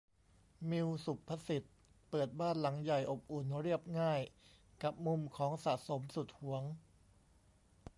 มิว ศุภศิษฏ์ เปิดบ้านหลังใหญ่ อบอุ่น เรียบง่าย กับมุมของสะสมสุดหวง